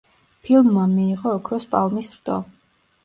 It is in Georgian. ფილმმა მიიღო ოქროს პალმის რტო.